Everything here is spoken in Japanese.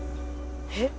えっ。